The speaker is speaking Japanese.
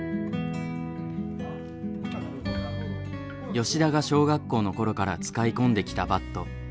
吉田が小学校の頃から使い込んできたバット。